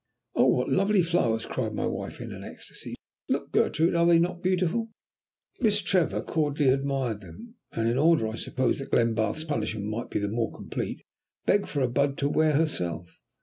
"Oh, what lovely flowers!" cried my wife in an ecstasy. "Look, Gertrude, are they not beautiful?" Miss Trevor cordially admired them; and in order, I suppose, that Glenbarth's punishment might be the more complete, begged for a bud to wear herself.